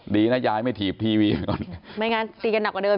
ดีนะยายไม่ถีบทีวีก่อนไม่งั้นตีกันหนักกว่าเดิม